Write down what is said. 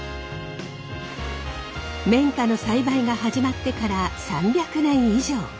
綿花の栽培が始まってから３００年以上。